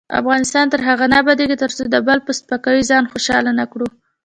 افغانستان تر هغو نه ابادیږي، ترڅو د بل په سپکاوي ځان خوشحاله نکړو.